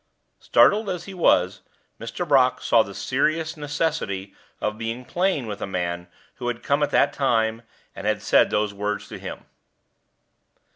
Startled as he was, Mr. Brock saw the serious necessity of being plain with a man who had come at that time, and had said those words to him.